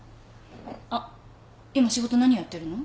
あっ今仕事何やってるの？